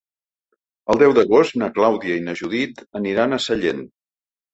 El deu d'agost na Clàudia i na Judit aniran a Sallent.